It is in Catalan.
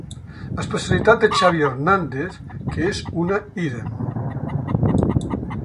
Especialitat de Xavi Hernández que és una ídem.